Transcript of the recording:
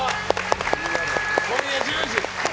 今夜１０時！